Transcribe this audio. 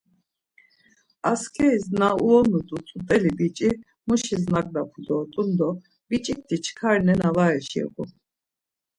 Askeris na uonut̆u tzut̆eli biç̌i muşis nangapu dort̆un do biç̌ikti çkar nena var eşiğu.